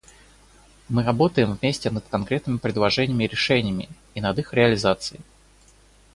Мы работаем вместе над конкретными предложениями и решениями и над их реализацией.